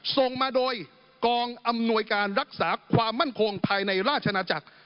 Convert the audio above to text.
ส่งมาโดยกองอำนวยการรักษาความมั่นคงภายในราชนาจักร